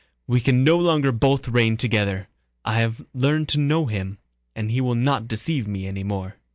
"We can no longer both reign together. I have learned to know him, and he will not deceive me any more...."